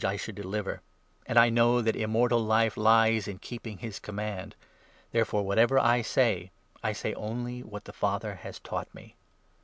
193 I should deliver. And I know that Immortal Life lies in keep 50 ing his command. Therefore, whatever I say, I say only what the Father has taught me."